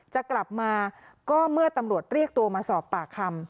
จะกลับมาก็เมื่อตำรวจเรียกตัวมาสอบปากคำ